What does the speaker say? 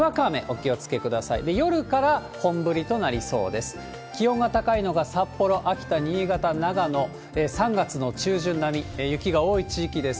気温が高いのが札幌、秋田、新潟、長野、３月の中旬並み、雪が多い地域です。